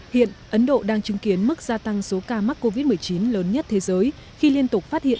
hiện ấn độ đang chứng kiến mức gia tăng số ca mắc covid một mươi chín lớn nhất thế giới khi liên tục phát hiện